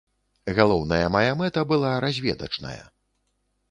Галоўная мая мэта была разведачная.